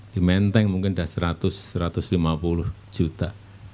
di menteng mungkin sudah seratus satu ratus lima puluh juta